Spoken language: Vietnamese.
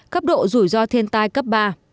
cấp độ rủi ro thiên tai cấp ba